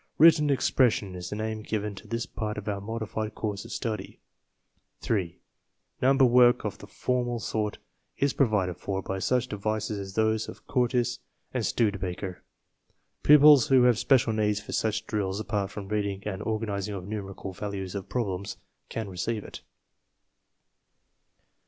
"Written expression" is the name given to this part of our modified course of study. (3) Number work of the formal sort is provided for by such devices as those of Courtis and Studebaker. Pupils who have special need for such drills, apart from reading and organizing of numerical values of problems, can receive it.